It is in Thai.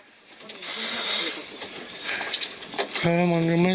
ผู้หญิงสองกับสองครับเนี่ย